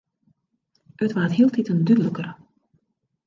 It waard hieltiten dúdliker.